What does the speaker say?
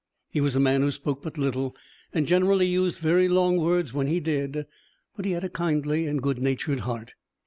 He was a man who spoke but little, and generally used very long words when he did; but he had a kindly and good natured heart.